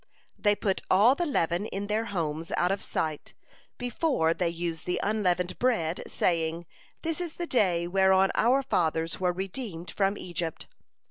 They put all the leaven in their homes out of sight before they use the unleavened bread, saying, 'This is the day whereon our fathers were redeemed from Egypt.'